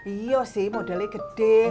iya sih modalnya gede